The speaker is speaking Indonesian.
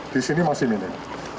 di sini masih minim